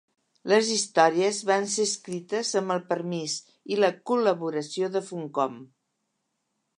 Les històries van ser escrites amb el permís i la col·laboració de Funcom.